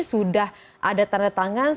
sudah ada tanda tangan